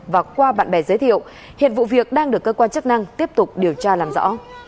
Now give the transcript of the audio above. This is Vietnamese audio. và qua bạn bè giới thiệu hiện vụ việc đang được cơ quan chức năng tiếp tục điều tra làm rõ